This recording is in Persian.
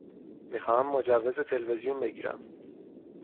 می خواهم مجوز تلویزیون بگیرم.